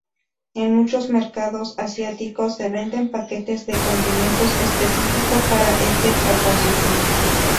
En muchos mercados asiáticos se venden paquetes de condimento específico para este propósito.